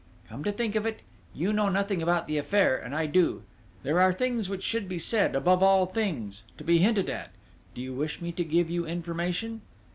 "Come to think of it, you know nothing about the affair, and I do: there are things which should be said, above all things, to be hinted at ... do you wish me to give you information?...